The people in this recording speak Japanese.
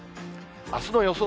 あすの予想